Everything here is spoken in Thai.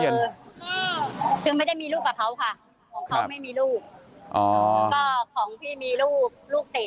คือไม่ได้มีลูกกับเขาค่ะของเขาไม่มีลูกอ๋อก็ของพี่มีลูกลูกติด